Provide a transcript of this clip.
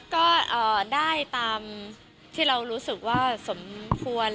ก็ได้ตามที่เรารู้สึกว่าสมควร